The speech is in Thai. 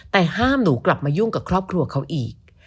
แต่ห้ามหนูกลับมายุ่งกับครอบครัวเขาอีก